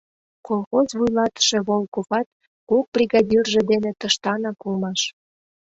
Колхоз вуйлатыше Волковат кок бригадирже дене тыштанак улмаш.